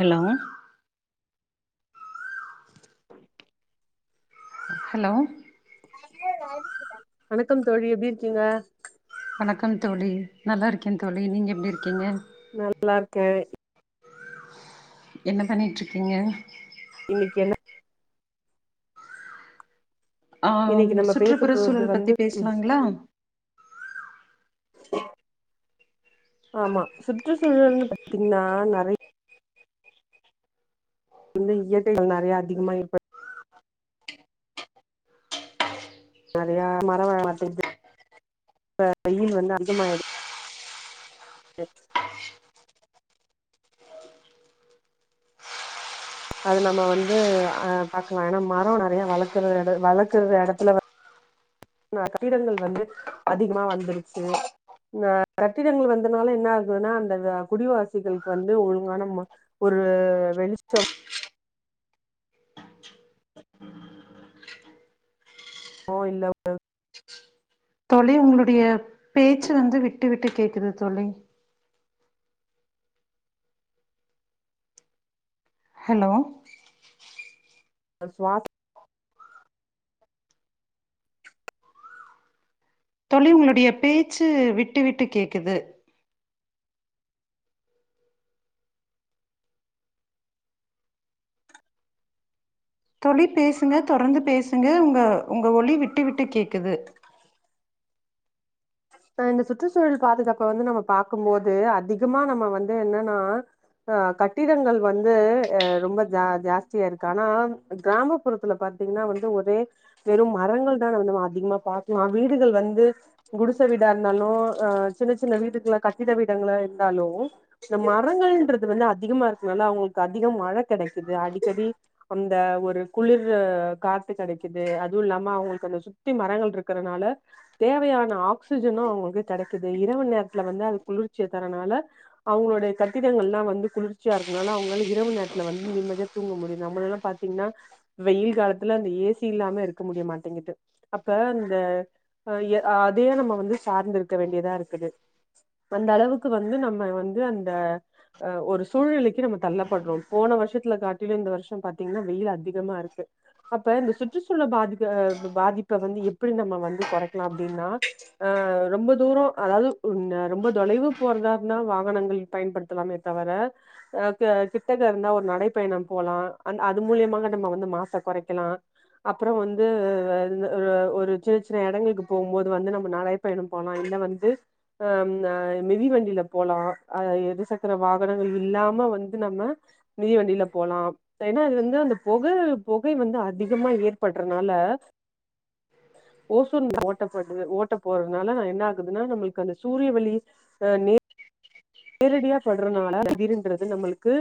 hello hello வணக்கம் தோழி எப்டி இருக்கீங்க வணக்கம் தோழி நல்லா இருக்கேன் தோழி நீங்க எப்டி இருக்கீங்க நா நல்லா இருக்கேன் என்ன பண்ணிட்ருக்கீங்க இன்னிக் என்ன ஆம் இன்னைக்கு நம்ம பேச சுற்றுப்புற போறது சூழல்ல பத்தி வந்து பேஸ்லாங்ளா ஆமா சுற்றுச்சூழல்னு பாத்தீங்னா நெறை இன்மே இயற்கைகள் நெறையா அதிகமா இருப்ப நெறையா மழ வரமாட்டேங்து இப்ப வெயில் வந்து அதிக மாய்ர்து எக்ஸ் அது நம்ம வந்து அ பாக்லா ஏனா மரோ நெறையா வளக்குற எட வளக்குறத எடத்துல வ இந்த கட்டிடங்கள் வந்து அதிகமா வந்துருச்சு இந்த கட்டிடங்கள் வந்தனால என்னாகுதுனா அந்த வ குடிவாசிகள்க் வந்து ஒழுங்கான மா ஒரு வெளிச்சம் மோ இல்ல தோழி உங்ளுடைய பேச்சு வந்து விட்டு விட்டு கேக்குது தோழி ஹலோ அது ஸ்வாஸ் தோழி உங்ளுடைய பேச்சு விட்டு விட்டு கேக்குது தோழி பேசுங்க தொடர்ந்து பேசுங்க உங்க உங்க ஒளி விட்டு விட்டு கேக்குது அ இந்த சுற்றுச்சூழல் பாதுகாப்ப வந்து நம்ம பாக்குமோது அதிகமா நம்ம வந்து என்னனா ஆ கட்டிடங்கள் வந்து அ ரொம்ப ஜா ஜாஸ்தியா இருக்கு ஆனா கிராமப்புறத்துல பாத்தீங்னா வந்து ஒரே வெறும் மரங்கள்தா வந்து நம்ம அதிகமா பாக்லா வீடுகள் வந்து குடுஸ் ச வீடா இருந்தாலு அ சின்ன சின்ன வீட்டுகுள கட்டிட வீடங்களா இருந்தாலு இந்த மரங்கள்ன்றது வந்து அதிகமா இருக்குனால அவுங்கள்க்கு அதிகம் மழ கெடைக்குது அடிக்கடி அந்த ஒரு குளிர்ரு காத் து கெடைக்குது அதூ இல்லாம அவுங்களுக் அந்த சுத்தி மரங்கள்ட்ருக்கறனால தேவையான ஆ க்சிஜனு அவுங்ளுக்கு கெடைக்குது இரவு நேர்த்துல வந்து அது குளிர்ச்சிய தரனால அவுங்குளோடைய கட்டிடங்கள்லா வந்து குளிர்ச்சியா இருக்குனால அவ்ங்ளால இரவு நேர்த்துல வந் நிம்மதியா தூங்க முடியு நம்மலலா பாத்தீங்னா வெயில் காலத்துல அந்த ஏசி இல்லாம இருக்க முடிய மாட்டேங்கிது அப்ப அந்த அ ய அதையே நம்ம வந்து சார்ந்து இருக்க வேண்டியதா இருக்குது அந்த அளவுக்கு வந்து நம்ம வந்து அந்த அ ஒரு சூழ்நிலைக்கு நம்ம தள்ளப்பட்றோ போன வர்ஷத்துல காட்டிலு இந்த வர்ஷோ பாத்தீங்னா வெயில் அதிகமா இருக்கு அப்ப இந்த சுற்றுச்சூழல் பாதிப்ப பாதிப்ப வந்து எப்பிடி நம்ம வந்து கொறைக்லா அப்டினா அ ரொம்ப தூரோ அதாவ்து உன்ன ரொம்ப தொலைவு போறதா இர்ந்தா வாகனங்கள் பயன்படு த்தலாமே தவர அ க கிட்டக இருந்தா ஒரு நடைப்பயணம் போலா அந் அது மூலியமாக நம்ம வந்து மாச கொறைக்கிலா அப்புறோ வந்து வ இந்த வ ஒரு சின்ன சின்ன எடங்கள்க்கு போம்போது வந்து நம்ம நடை பயணம் போலா இல்ல வந்து அ ம் னா இந்த மிதிவண்டியில போலா அ எரிசக்கர வாகனங்கள் இல்லாம வந்து நம்ம மிதி வண்டியில போலாம் ஏனா அது வந்து அந்த போக புகை வந்து அ திகமா ஏற்பட்றனால ஓசோன் ஒட்ட போடுது‌ ஓட்ட போறதுனால என்ன ஆகுதுனா நம்மளுக்கு அந்த சூரிய ஒளி அ நே நேரடியா பட்றனாள‌ [unintelligible] நம்மளுக்கு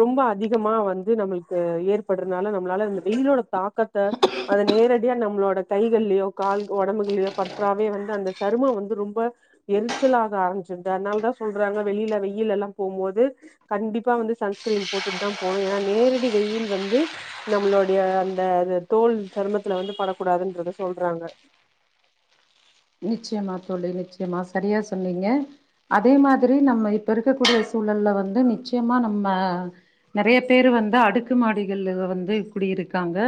ரொம்ப அதிகமா வந்து நம்மளுக்கு ஏற்பட்றனால நம்மளால அந்த வெயிலோட தாக்கத் த்த அந்த நேரடியா நம்மளோட கைகள்லயோ கால் உடம்புகள்லையோ பற்றாவே வந்து அந்த சருமம் வந்து ரொம்ப எரிச்சலாக ஆரம்பிச்சிருது அதனாலதா சொல்றாங்க வெளியில வெயில எல்லா போம்போது கண்டிப்பா வந்து சன்ஸ்கிரீன் போட்டுட்டு தா போனோ ஏனா நேரடி வெய்யில் வந்து நம்மளுடைய அந்த அது தோல் சருமத்துல வந்து படக்கூடாதுன்றத சொல்றாங்க நிச்சயமா தோழி நிச்சயமா சரியா சொன்னீங்க அதே மாதிரி நம்ம இப்போ இருக்கக்கூடிய சூழல வந்து நிச்சயமா நம்ம நிறைய பேரு வந்து அடுக்கு மாடிகள்ல வந்து குடி இருக்காங்க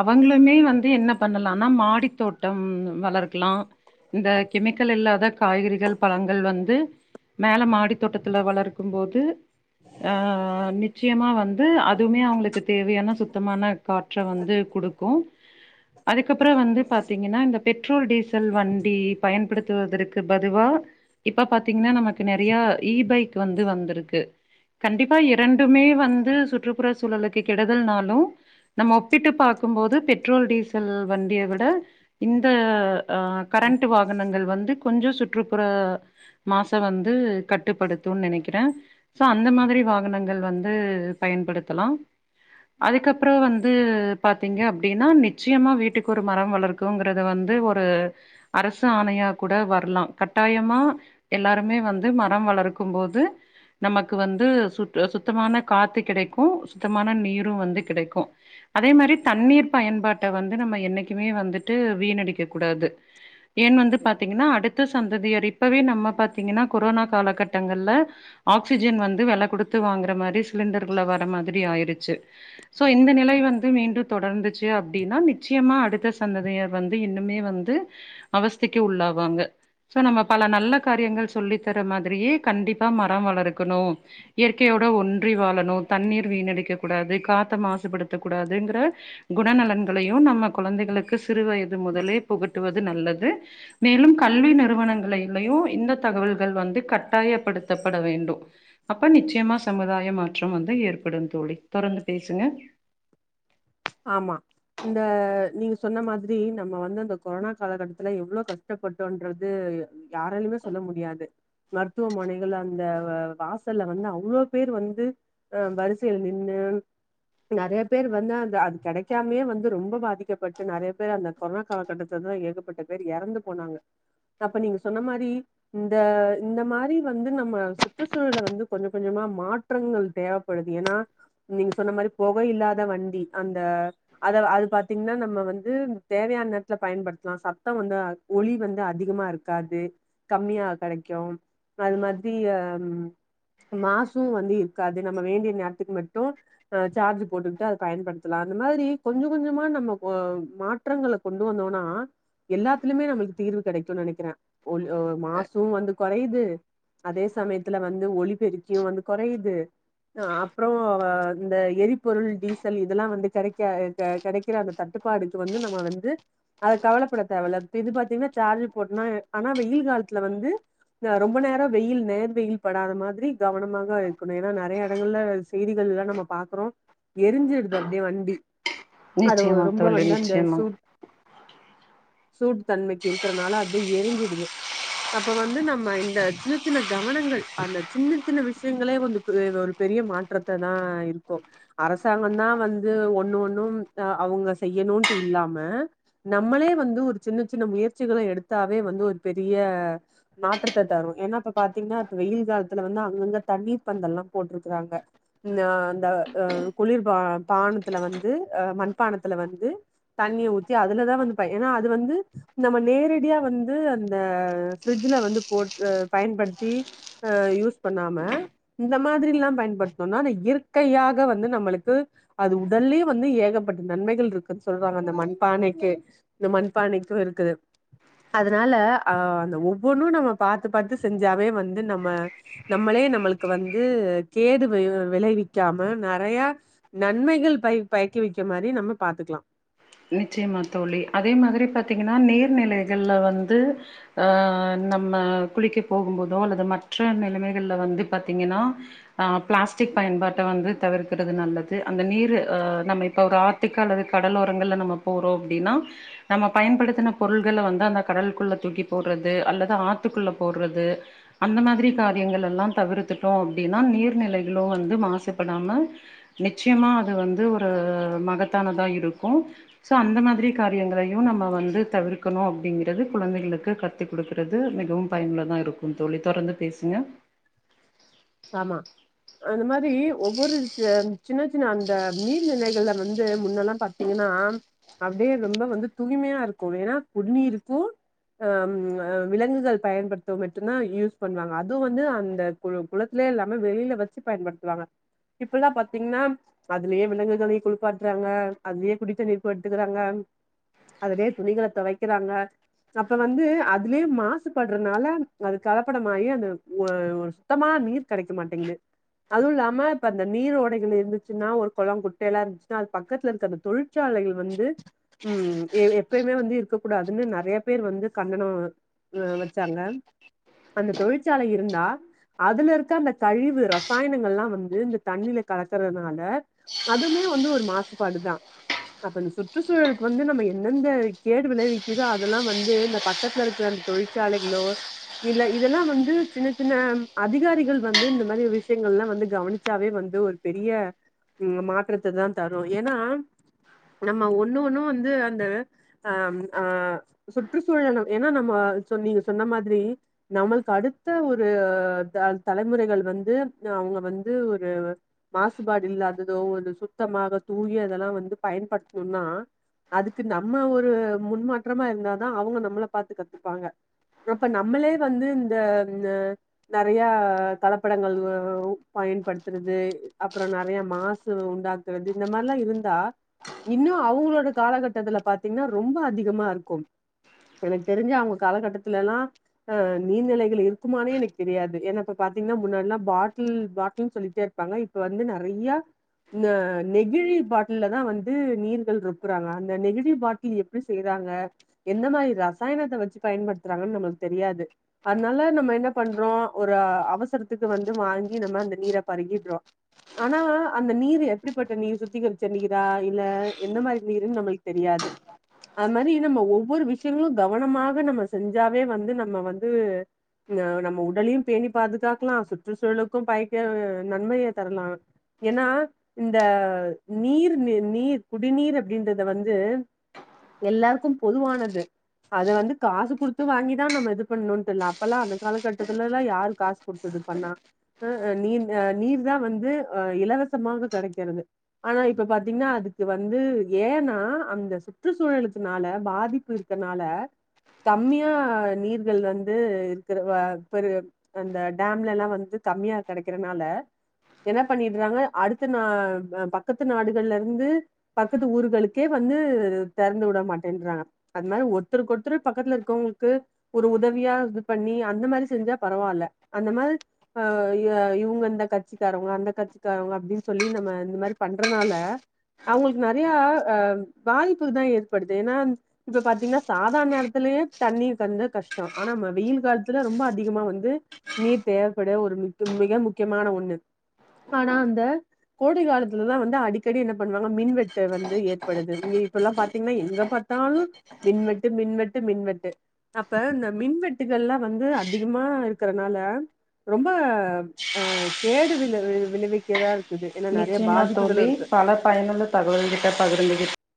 அவங்களுமே வந்து என்ன பண்ணலனா மாடி தோட்டம் வளர்க்கலா இந்த கெமிக்கல் இல்லாத காய்கறிகள் பழங்கள் வந்து மேல மாடி தோட்டத்துல வளர்க்கும் போது அ நிச்சயமா வந் து அதுமே அவங்களுக்கு தேவையான சுத்தமான காற்ற வந்து குடுக்கும் அதுக்கப்புறோ வந்து பாத்தீங்கன்னா இந்த பெட்ரோல் டீச ல் வண்டி பயன்படுத்துவதற்கு பதுவா இப்ப பாத்தீங்கன்னா நமக்கு நெறைய இ பைக் வந்து வந்திருக்கு கண்டிப்பா இரண்டுமே வந்து சுற்றுப்புற சூழலுக்கு கெடுதல்னாலு நம்ம ஒப்பிட்டு பாக்கும்போது பெட்ரோல் டீசல் வண்டிய விட இந்த அ கரண்ட்டு வாகனங்கள் வந்து கொஞ்ச சுற்றுப்புற மாச வந்து கட்டுப்படுத்துன் நெனைக்கிறே சோ அந்த மாதிரி வாகனங்கள் வந்து பயன்படுத்தலா அதுக்கப்புறோ வந்து பாத்தீங்க அப்படின்னா நிச்சயமா வீட்டுக்கு ஒரு மரம் வளர்க்கோங்கறத வந்து அ அரசு ஆணையா கூட வர்லா கட்டாயமா எல்லாருமே வந்து மரம் வளர்க்கும் போது நமக்கு வந்து சு சுத்தமான காத்து கெடைக்கு சுத்தமான நீரும் வந்து கெடைக்கு அதே மாதிரி தண்ணீர் பயன்பாட்ட வந்து நம்ம என்னைக்குமே வந்துட்டு வீண் அடிக்க கூடாது ஏன் வந்து பாத்தீங்கன்னா அடுத்த சந்ததியர் இப்பவே நம்ம பாத்தீங்கன்னா கொரோனா காலகட்டங்கள்ல ஆக்சிஜன் வந்து வெல குடுத்து வாங்குற மாதிரி சிலிண்டர்கள வர மாதிரி ஆயிடுச்சு சோ இந்த நிலை வந்து மீண்டும் தொடர்ந்துச்சு அப்டின்னா நிச்சயமா அடுத்த சந்ததியர் வந்து இன்னும் மே வந்து அவஸ்தைக்கு உள்ளாவாங்க சோ நம்ம பல நல்ல காரியங்கள் சொல்லி தர மாதிரியே கண்டிப்பா மரோ வளர்க்கணு இயற்கையோட ஒன்றி வாழணு தண்ணீர் வீணடிக்க கூடாது காத்த மாசுபடுத்த கூடாதுங்கிற குணநலன்களையு நம்ம குழந்தைகளுக்கு சிறு வயது முதலே புகட்டுவது நல்லது மேலும் கல்வி நிறுவனங்களையிலயு இந்த தகவல்கள் வந்து கட்டாயப்படுத்தப்பட வேண்டும் அப்ப நிச்சயமா சமுதாய மாற்றம் வந்து ஏற்படும் தோழி தொடர்ந்து பேசுங்க ஆமா இந்த நீங்க சொன்ன மாதிரி நம்ம வந்து அந்த கொரோனா காலகட்டத்துல எவ்ளோ கஷ்டப்பட்டோன்றது யாராலியுமே சொல்ல முடியாது மருத்துவமனைகள்ல அந்த வ வாசல்ல வந்து அவ்ளோ பேர் வந்து அ வரிசைல நின்னு நெறைய பேர் வந்து அந்த கடைக்காமயே வந்து ரொம்போ பாதிக்கப்பட்டு நெறைய பேர் அந்த கொரோனா காலகட்டத்துலதா ஏகப்பட்ட பேர் எறந்து போனாங்க அப்ப நீங்க சொன்ன மாரி இந்த இந்த மாரி வந்து நம்ம சுற்றுச்சூழல வந்து கொஞ்ச கொஞ்சமா மாற் றங்கள் தேவப்படுது ஏன்னா நீங்க சொன்ன மாரி பொக இல்லாத வண்டி அந்த அத அது பாத்திங்ன்னா நம்ம வந்து தேவையான நேர்த்ல பயன்படுத்லா சத்தோ வந்து அ ஒலி வந்து அதிகமா இருக்காது கம்மியா கெடைக்கு அது மாத்ரி அ மாசூ வந்து இருக்காது நம்ம வேண்டிய நேரத்துக்கு மட்டு அ சார்ஜ் போட்டுக்கிட்டு அத பயன்படுத் தலா அந்த மாதிரி கொஞ்சோ கொஞ்சமா நம்ம பொ மாற்றங்கள கொண்டு வந்தோனா எல்லாத்துலமே நம்மளுக் தீர்வு கெடைக்குன் நெனைக்கிறே ஒல் அ மாசு வந்து கொறையுது அதே சமயத்துல வந்து ஒலிப்பெருக்கியு வந்து கொறையுது அப்றோ இந்த எரிபொருள் டீசல் இதெல்லா வந்து கெடைக்க கெடைக்கிற அந்த தட்டுப்பாடுக்கு வந்து நம்ம வந்து அது கவலைப்பட தேவல இப்ப இது பாத்திங்னா சார்ஜ் போட்டனா ஆனா வெயில் காலத்துல வந்து அ ரொம்ப நேரோ வெயில் நேர் வெயில் படாத மாதிரி கவனமாக வைக்கணு ஏன்னா நறைய எடங்கள்ல செய்திகள்லா நம்ம பாக்கறோ எருஞ்சுடுது அப்டியே வண்டி அது நிச்சயமா ரொம்ப தோழி வந்து அந்த நிச்சயமா சூட் சூட்டு தன்மைக்கு இருக்கறனால அத்வே எரிஞ்சிடுது அப்ப வந்து நம்ம இந்த சின்ன சின்ன கவனங்கள் அந்த சின்ன சின்ன விஷ்யங்களே வந்து க்கு ஒரு பெரிய மாற்றத்ததா இருக்கு அரசாங்கொந்தா வந் து ஒன்னு ஒன்னும் அ அவுங்க செய்யணுன்டு இல்லாம நம்மளே வந்து ஒரு சின்ன சின்ன முயற்சிகள எடுத்தாவே வந்து ஒரு பெரிய மாற்றத்த தரு ஏன்னா இப்ப பாத்திங்ன்னா இப்ப வெயில் காலத்துல வந்து அங்கங்க தண்ணீர் பந்தல்லா போட்ருக்குறாங்க ந்த அந்த அ குளிர்ப பானத்துல வந்து அ மண்பானத்துல வந்து தண்ணிய ஊத்தி அதுலதா வந்துப்ப ஏன்னா அது வந்து நம்ம நேரடியா வந்து அந்த ஃபிரிட்ஜ்ல வந்து போட் பயன்படுத்தி அ யூஸ் பண்ணாம இந்த மாதிரில்லா பயன்படுத்னோனா அந்த இயற்கையாக வந்து நம்மளுக்கு அது உடல்லே வந்து ஏகப்பட்ட நன்மைகள் இருக்குன் சொல்வாங்க அந்த மண்பானைக்கே இந்த மண்பானைக்கு இருக்குது அதுனால அ அந்த ஒவ்வொன்னு நம்ம பாத்து பாத்து செஞ்சாவே வந்து நம்ம நம்மளே நம்மளுக்கு வந்து கேடு வி விளைவிக்காம நெறைய நன்மைகள் பய பயக்கி வைக்க மாரி நம்ம பாத்துக்லா நிச்சயமா தோழி அதே மாதிரி பாத்திங்கன்னா நீர்நிலைகள்ல வந்து ஆ நம்ம குளிக்க போகும் போதோ அல்லது மற்ற நெலைமைகள்ல வந்து பாத்திங்கன்னா அ பிளாஸ்டிக் பயன்பாட்ட வந்து தவிர்க்குறது நல்லது அந்த நீரு அ நம்ம இப்போ ஒரு ஆ த்துக்கு அல்லது கடலோரங்கள்ல நம்ம போறோ அப்டின்னா நம்ம பயன்படுத்தின பொருள்கள வந்து அந்த கடல்க்குள்ள தூக்கி போட்றது அல்லது ஆத்துக்குள்ள போட்றது அந்த மாதிரி காரியங்கள் எல்லா தவிர்த்துட்டோ அப்டின்னா நீர்நிலைகளு வந்து மாசுபடாம நிச்சியமா அது வந்து ஒரு மகத்தானதா இருக்கு சோ அந்த மாதிரி காரியங்களையு நம்ம வந்து தவிர்க்கணு அப்டிங்குறது குழந்தைகளுக்கு கத் த்து குடுக்றது மிகவு பயனுள்ளதா இருக்கு தோழி தொடர்ந்து பேசுங்க ஆமா அந்த மாரி ஒவ்வொரு ஜ சின்ன சின்ன அந்த நீர்நிலைகள்ல வந்து முன்னெல்லா பாத் தீங்கன்னா அப்டியே ரொம்ப வந்து தூய்மையா இருக்கு எனா குடி நீருக்கு அம் அ விலங்குகள் பயன்படுத்த மட்டுந்தா யூஸ் பண்ணுவாங்க அதுவு வந்து அந்த குழு குளத்துல எல்லாமே வெளில வெச்சு பயன்படுத்துவாங்க இப்பலா பாத்தீங்னா அதுலயே விலங்குகளயு குளிப்பாட்றாங்க அதுலயே குடித்தண்ணீ்க்கு எடுத்துக்குறாங்க அதுலயே துணிகள தொவைக்கறாங்க அப்ப வந்து அதுலயே மாசுபட்றனால அது கலப்படமாயி அந்த ஒ ஒரு சுத்தமா நீர் கடைக்க மாட்டிங்குது அது இல்லாம இப்ப அந்த நீர் ஓடைகள் இருந்துச்சுன்னா ஒரு கொளோ குட்ட எல்லா இருந்துச்சுன்னா அது பக்கத்துல இருக்க அந்த தொழில் சாலைகள் வந்து ம் எ எப்பயுமே வந்து இருக்க கூடாதுன்னு நறைய பேர் வந்து கண்டனோ அ வெச்சாங்க அந்த தொழிற்சாலை இருந்தா அதுல இருக்க அந்த கழிவு ரசாயனங்கள்லா வந்து இந்த தண்ணில கலக்கறனால அதுமே வந்து ஒரு மாசுபாடுதா அப்ப இந்த சுற்றுசூழலுக்கு வந்து நம்ம எந்நெந்த கேடு விளைவிக்குதோ அதெல்லா வந்து இந்த பக்கத்துல இருக்குற அந் தொழிற்சாலைகளோ இல்ல இதெல்லா வந்து சின்ன சின்ன அதிகாரிகள் வந்து இந்த மாரி விஷயங்கள்லா வந்து கவனிச்சாவே வந்து ஒரு பெரிய ம் மாற்றத்ததா தரு எனா நம்ம ஒன்னு ஒன்னு வந்து அந்த அம் ஆ சுற்றுசூழல் எனா எனா நம்ம சொ நீங்க சொன்ன மாதிரி நம்மளுக் அடுத்த ஒரு த தலைமுறைகள் வந்து அவுங்க வந்து ஒரு மாசுபாடு இல்லாததோ ஒரு சுத்தமாக தூய இதெல்லா வந்து பயன்படுத்தணுனா அதுக்கு நம்ம ஒரு முன்மாற்றமா இருந்தாதா அவுங்க நம்மள பாத்து கத்துப்பாங்க அப்ப நம்மளே வந்து இந்த ந நறையா கலப்படங்கள் பயன்படுத்துறது அப்புறோ நறைய மாசு உண்டாக் குறது இந்த மாரிலா இருந்தா இன்னோ அவுங்களோட காலகட்டத்துல பாத்தீங்கன்னா ரொம்ப அதிகமா இருக்கு இப்ப எனக்கு தெரிஞ்சு அவுங்க காலகட்டத்துலலா அ நீர்நிலைகள் இருக்குமானே எனக் தெரியாது எனா இப்ப பாத்தீங்னா முன்னாடில்லா பாட்டில் பாட்டில்ன் சொல்லிட்டே இருப்பாங்க இப்ப வந்து நறையா இந்த நெகிழி பாட்டில்லதா வந்து நீர்கள் ரெப்புறாங்க அந்த நெகிழி பாட்டில் எப் எப்டி செய்றாங்க எந்த மாரி ரசாயனத்த வெச்சு பயன்படுத்துறாங்கன் நம்மளுக்கு தெரியாது அனால நம்ம என்னப் பண்றோ ஒரு அவசரத்துக்கு வந்து வாங்கி நம்ம அந்த நீர பருகிட்றோ ஆனா அந்த நீரு எப்டிப்பட்ட நீர் சுத்திகரிச்ச நீரா இல்ல எந்த மாரி நீருன் நம்ளுக் தெரியாது அதுமாரி நம்ம ஒவ்வொரு விஷயங்களு கவனமாக நம்ம செஞ்சாவே வந்து நம்ம வந்து அ நம்ம உடலயு பேணி பாதுகாக்கலா சுற்றுச்சூழலுக்கு பயக்க நன்மைய தரலா எனா இந்த நீர் நீ நீர் குடிநீர் அப்டின்றத வந்து எல்லாருக்கு பொதுவானது அத வந்து காசு குடுத்து வாங்கிதா நம்ம இது பண்ணுன்டு இல்ல அப்பல்லா அது காலகட்டத்துலல்லா யாரு காசு குடுத்து இது பண்ணா அ நீர் அ நீர்தா வந்து அ இலவசமாக கெடைக்கிறது ஆனா இப்ப பாத்தீங்னா அதுக்கு வந்து ஏனா அந்த சுற்றுச்சூழலுக்குனால பாதிப்பு இருக் கனால கம்மியா நீர்கள் வந்து இரு தெருவா பெரு அந்த டேம்லலா வந்து கம்மியா கடைக்கிறனால என்ன பண்ணிடுறாங்க அடுத்த நா அ பக்கத்து நாடுகள்ல இருந்து பக்கத்து ஊர்களுக்கே வந்து தெறந்து வுட மாட்டேன்றாங்க அது மாரி ஒருத்தருக்கு ஒருத்தர் பக்கத்துல இருக்கவங்களுக்கு ஒரு உதவியா பண்ணி அந்த மாரி செஞ்சா பரவால்ல அந்த மாரி அ எ இவுங்க இந்த கட்சிக்காரவுங்க அந்த கட்சி காரவுங்க அப்பிடின்னு சொல்லி நம்ம இந்த மாரி பண்றனால அவுங்களுக்கு நெறைய அ ம் பாதிப்பு தா ஏற்படுது ஏன்னா இப்ப பாத்தீங்கன்னா சாதா நேரத்துலயே தண்ணி கொஞ்ச கஷ்டோ ஆனா நம்ம வெயில் காலத்துல ரொம்ப அதிகமா வந்து நீர் தேவப்பட ஒரு மிக்க மிக முக்கியமான ஒண்ணு ஆனா அந்த கோடை காலத்துல தா வந்து அடிக்கடி என்னப் பண்ணுவாங்க மின்வெட்டு வந்து ஏற்படுது இங்க இப்ப எல்லா பாத்தீங்கன்னா எங்க பாத்தாலு மின்வெட்டு மின்வெட்டு மின்வெட்டு அப்ப இந்த மின்வெட் டுகள்லா வந்து அதிகமா இருக்கறனால ரொம்ப அ கேடு விள விளைவிக்கதாருக் நிச்சயமா தோழி பல பயனுள்ள தகவல்கிட்ட பகிர்ந்துகிட்